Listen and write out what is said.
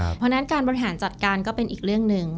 เพราะฉะนั้นการบริหารจัดการก็เป็นอีกเรื่องหนึ่ง